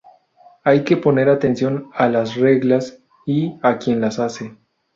Hay que poner atención a las reglas, y a quien las hace.